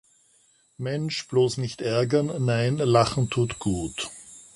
Mensch, bloß nicht ärgern, nein, lachen tut gut!